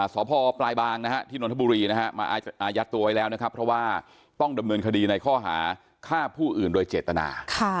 สพปลายบางที่นนทบุรีนะฮะมาอายัดตัวไว้แล้วนะครับเพราะว่าต้องดำเนินคดีในข้อหาฆ่าผู้อื่นโดยเจตนา